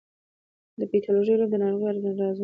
د پیتالوژي علم د ناروغیو رازونه خلاصوي.